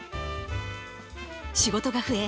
仕事が増え